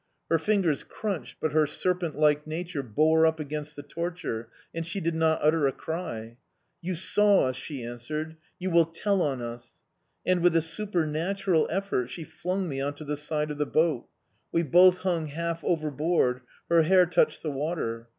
Her fingers crunched, but her serpent like nature bore up against the torture, and she did not utter a cry. "You saw us," she answered. "You will tell on us." And, with a supernatural effort, she flung me on to the side of the boat; we both hung half overboard; her hair touched the water.